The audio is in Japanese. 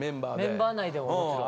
メンバー内でももちろん。